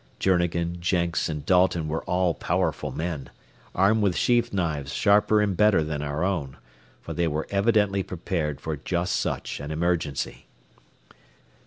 Journegan, Jenks, and Dalton were all powerful men, armed with sheath knives sharper and better than our own, for they had evidently prepared for just such an emergency.